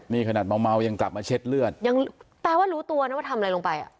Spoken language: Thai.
นี่ขนาดเมายังกลับมาเช็ดเลือดยังแปลว่ารู้ตัวนะว่าทำอะไรลงไปอ่ะ